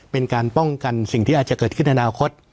เป็นการป้องกันสิ่งที่อาจจะเกิดขึ้นในอนาคต